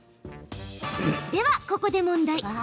では、ここで問題。